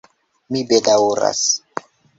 Mi bedaŭras!